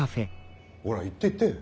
ほら行って行って。